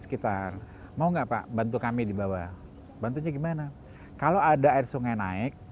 sekitar mau enggak pak bantu kami dibawa bantunya gimana kalau ada air sungai naik